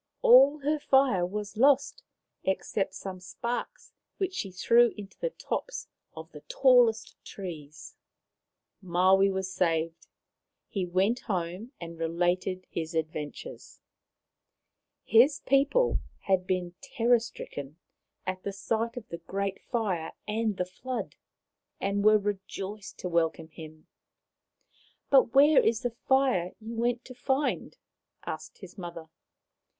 All her fire was lost except some sparks which she threw into the tops of the tallest trees. 88 Maoriland Fairy Tales Maui was saved. He went home and related his adventures. His people had been terror stricken at sight of the great fire and the flood, and were rejoiced to welcome him. " But where is the fire you went to find ?" asked his mother.